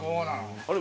あれ？